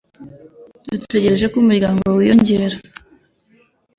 Dutegereje ko umuryango wiyongera.